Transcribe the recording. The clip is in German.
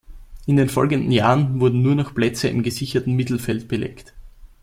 In den folgenden Jahren wurden nur noch Plätze im gesicherten Mittelfeld belegt.